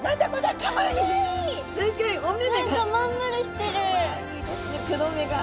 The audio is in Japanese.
かわいいですね黒目が。